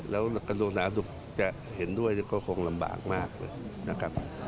แล้วกระทรวงศาสตร์นักศึกษ์จะเห็นด้วยก็คงลำบากมาก